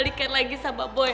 pengen balik lagi sama boy